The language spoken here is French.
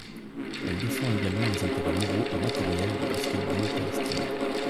Elle défend également les intérêts moraux et matériels du basket-ball palestinien.